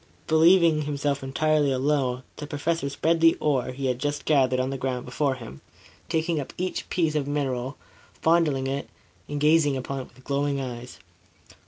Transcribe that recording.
Believing himself entirely alone, the Professor spread the ore he had just gathered on the ground before him, taking up each piece of mineral, fondling it and gazing upon it with glowing eyes.